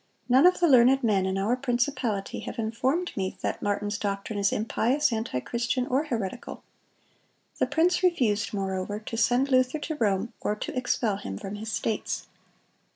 None of the learned men in our principality have informed me that Martin's doctrine is impious, antichristian, or heretical.' The prince refused, moreover, to send Luther to Rome, or to expel him from his states."